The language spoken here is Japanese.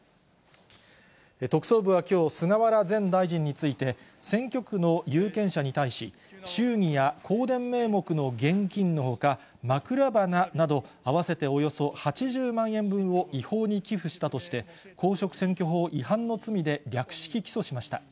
特捜部はきょう、菅原前大臣について、選挙区の有権者に対し、祝儀や香典名目の現金のほか、枕花など、合わせておよそ８０万円分を違法に寄付したとして、公職選挙法違反の罪で略式起訴しました。